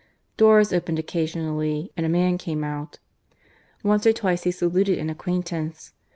Doors opened occasionally, and a man came out; once or twice he saluted an acquaintance.